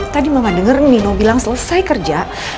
tadi mama dengar nino bilang selesai kerja